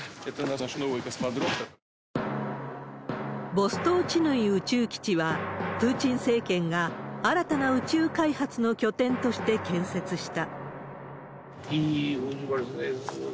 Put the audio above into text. ボストーチヌイ宇宙基地は、プーチン政権が新たな宇宙開発の拠点として建設した。